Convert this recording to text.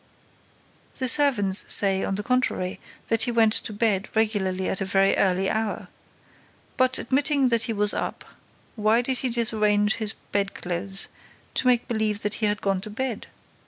"The servants say, on the contrary, that he went to bed regularly at a very early hour. But, admitting that he was up, why did he disarrange his bedclothes, to make believe that he had gone to bed?